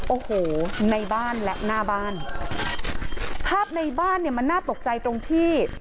โอ้โหในบ้านและหน้าบ้านภาพในบ้านเนี่ยมันน่าตกใจตรงที่